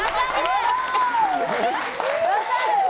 分かる！